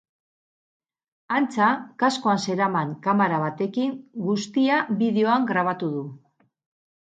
Antza, kaskoan zeraman kamara batekin guztia bideoan grabatu du.